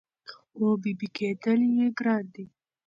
خو بېبي کېدل یې ګران دي